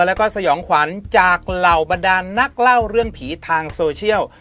แล้วก็สยองขวัญจากเหล่าบรรดานนักเล่าเรื่องผีทางโซเชียล